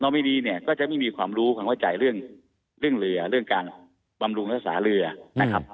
ไม่ดีเนี่ยก็จะไม่มีความรู้ความเข้าใจเรื่องเรือเรื่องการบำรุงรักษาเรือนะครับ